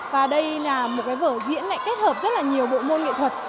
và đây là một cái vở diễn lại kết hợp rất là nhiều bộ môn nghệ thuật